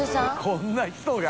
こんな人が？